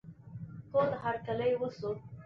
تود هرکلی وسو.